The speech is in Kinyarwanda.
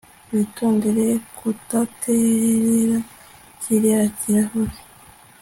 Witondere kudaterera kiriya kirahure